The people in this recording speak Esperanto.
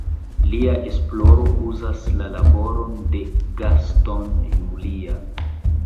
Lia esploro uzas la laboron de Gaston Julia.